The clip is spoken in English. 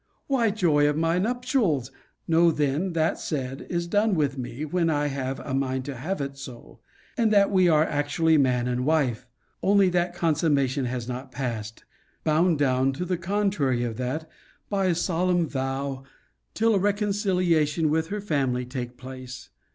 Why, joy of my nuptials. Know then, that said, is done, with me, when I have a mind to have it so; and that we are actually man and wife! only that consummation has not passed: bound down to the contrary of that, by a solemn vow, till a reconciliation with her family take place.